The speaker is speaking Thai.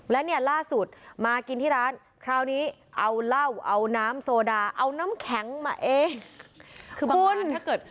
และเนี่ยล่าสุดมากินที่ร้านคราวนี้เอาเหล้าเอาน้ำโซดาเอาน้ำแข็งมาเอง